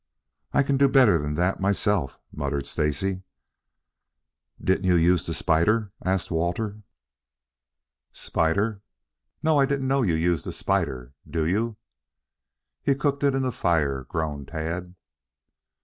"I could do better'n that myself," muttered Stacy. "Didn't you use the spider?" asked Walter. "Spider? No. I didn't know you used a spider. Do you?" "He cooked it in the fire," groaned Tad.